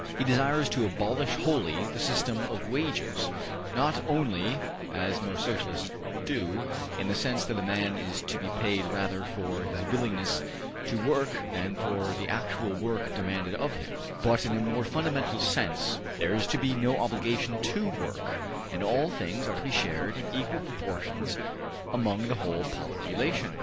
He desires to abolish wholly the system of wages, not only, as most Socialists do, in the sense that a man is to be paid rather for his willingness to work than for the actual work demanded of him, but in a more fundamental sense: there is to be no obligation to work, and all things are to be shared in equal proportions among the whole population.